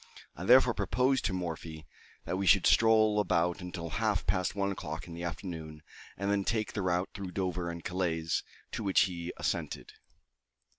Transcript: I therefore proposed to Morphy that we should stroll about until half past one o'clock in the afternoon, and then take the route through Dover and Calais, to which he assented.